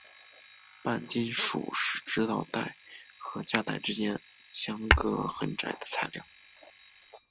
半金属是指导带和价带之间相隔很窄的材料。